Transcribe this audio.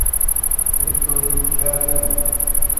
من کۆمیدیکار نیم.